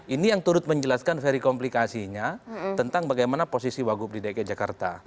ini yang turut menjelaskan very komplikasinya tentang bagaimana posisi wagub di dki jakarta